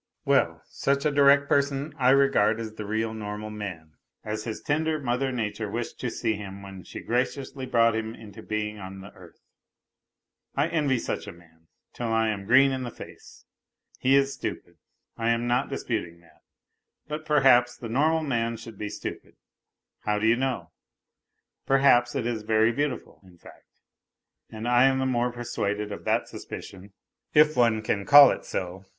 Well, such a direct person I regard as the real normal man, as his tender mother nature wished to see him when she graciously brought him into being on the earth. I envy such a man till lam green in the face. He is stupid. I am not disputing that, but perhaps the normal man should be stupid, how do you know ? Perhaps it is very beautiful, in fact. And I am the more persuaded of that suspicion, if one can call it so.